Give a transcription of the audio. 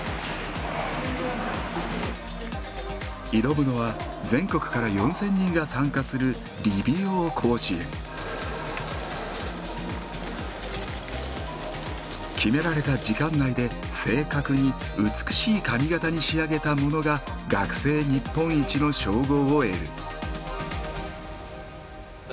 挑むのは全国から４，０００人が参加する決められた時間内で正確に美しい髪形に仕上げたものが学生日本一の称号を得る。